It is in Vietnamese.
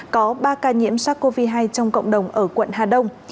có ba ca nhiễm sars cov hai trong cộng đồng ở quận hà đông